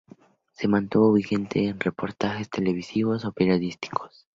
Se mantuvo vigente en reportajes televisivos o periodísticos.